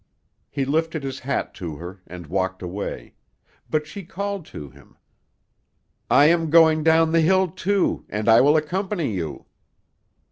He lifted his hat to her, and walked away; but she called to him, "I am going down the hill, too, and I will accompany you."